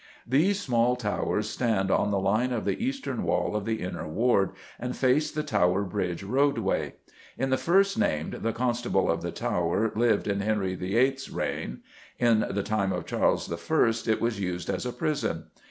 _ These small towers stand on the line of the eastern wall of the Inner Ward and face the Tower Bridge roadway. In the first named the Constable of the Tower lived in Henry VIII.'s reign; in the time of Charles I. it was used as a prison.